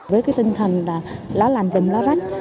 với cái tinh thần là lá làm vùm lá rách